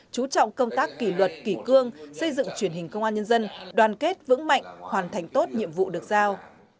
chú trọng công tác kỷ luật kỷ cương xây dựng truyền hình công an nhân dân đoàn kết vững mạnh hoàn thành tốt nhiệm vụ được giao